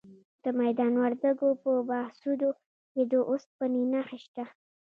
د میدان وردګو په بهسودو کې د اوسپنې نښې شته.